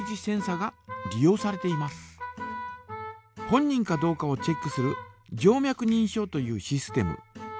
本人かどうかをチェックする静脈にんしょうというシステム。